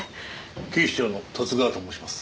警視庁の十津川と申します。